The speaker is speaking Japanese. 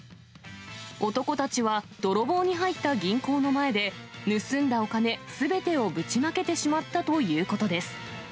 男たちは泥棒に入った銀行の前で、盗んだお金すべてをぶちまけてしまったということです。